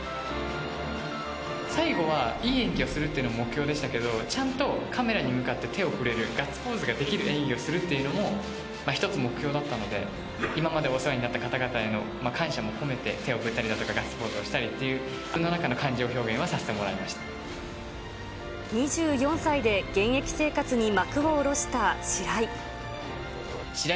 最後はいい演技をするっていうのが目標でしたけど、ちゃんとカメラに向かって手を振れる、ガッツポーズができる演技をするっていうのも一つ目標だったので、今までお世話になった方々への感謝も込めて、手を振ったりだとか、ガッツポーズをしたり、自分の中での感情表現はさせてもらいまし２４歳で現役生活に幕を下ろした白井。